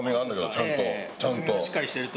ちゃんと！